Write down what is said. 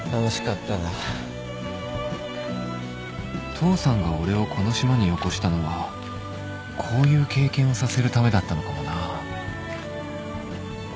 父さんが俺をこの島によこしたのはこういう経験をさせるためだったのかもな